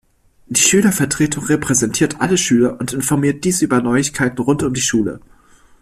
Die Schülervertretung repräsentiert alle Schüler und informiert diese über Neuigkeiten rund um die Schule.